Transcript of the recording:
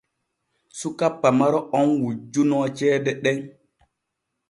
Suka pamaro on wujjunoo ceede ɗen.